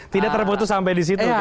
tidak terputus sampai di situ